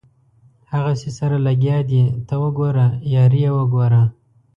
هغسې سره لګیا دي ته وګوره یاري یې وګوره.